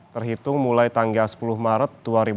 terhitung mulai tanggal sepuluh maret dua ribu dua puluh